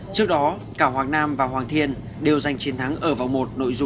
trước đó cả hoàng nam và hoàng thiên đều giành chiến thắng ở vòng một